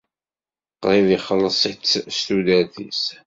Qrib ixelleṣ-itt s tudert-is.